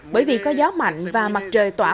bởi vì có gió mạnh và mặt trời tỏa